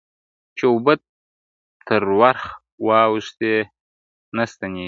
چي اوبه تر ورخ اوښتي نه ستنېږي!.